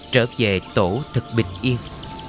trở về tổ thật bình yên